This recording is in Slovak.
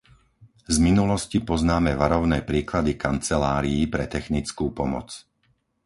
Z minulosti poznáme varovné príklady kancelárií pre technickú pomoc.